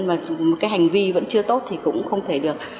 và hành vi vẫn chưa tốt thì cũng không thể được